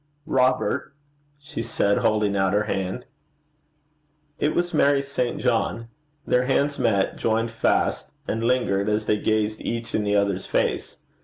'Robert,' she said, holding out her hand. It was Mary St. John. Their hands met, joined fast, and lingered, as they gazed each in the other's face.